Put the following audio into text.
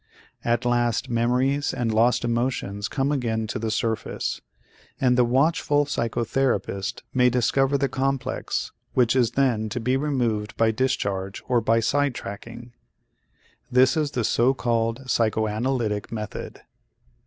At last memories and lost emotions come again to the surface, and the watchful psychotherapist may discover the complex, which is then to be removed by discharge or by side tracking. This is the so called psychoanalytic method.